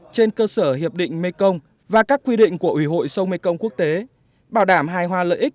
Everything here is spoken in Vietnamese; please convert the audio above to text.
trên cơ sở hiệp định mekong và các quy định của ủy hội sông mekong quốc tế bảo đảm hài hòa lợi ích